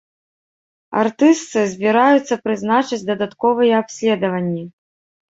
Артыстцы збіраюцца прызначыць дадатковыя абследаванні.